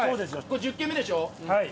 １０軒目でしょ？